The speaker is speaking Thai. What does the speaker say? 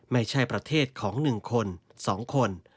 ไม่ใช่ประเทศของหนึ่งคนสองคน